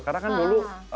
karena kan dulu